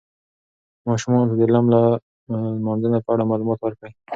ماشومانو ته د لم لمانځه په اړه معلومات ورکړئ.